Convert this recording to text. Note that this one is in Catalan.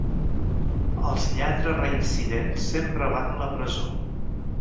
Els lladres reincidents sempre van a la presó